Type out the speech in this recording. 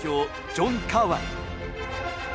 ジョン・カーワン。